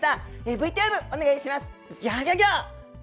ＶＴＲお願いしますギョギョ。